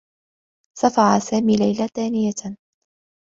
صفع سامي ليلى ثانية.